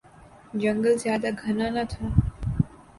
جنگل زیادہ گھنا نہ تھا